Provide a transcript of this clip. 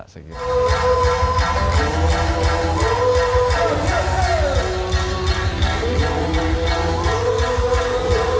dalam pikiran kami semua